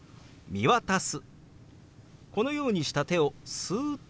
「見渡す」。